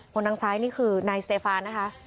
คนทางซ้ายนี่คือนายสเตฟานนะคะ